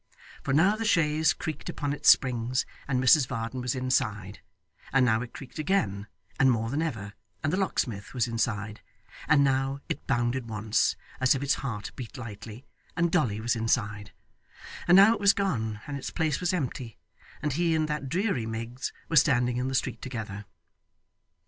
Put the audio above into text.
For now the chaise creaked upon its springs, and Mrs Varden was inside; and now it creaked again, and more than ever, and the locksmith was inside; and now it bounded once, as if its heart beat lightly, and Dolly was inside; and now it was gone and its place was empty, and he and that dreary Miggs were standing in the street together.